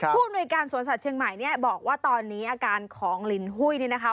ผู้อำนวยการสวนสัตวเชียงใหม่เนี่ยบอกว่าตอนนี้อาการของลินหุ้ยเนี่ยนะคะ